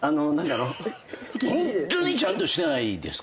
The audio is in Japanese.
ホントにちゃんとしてないですか？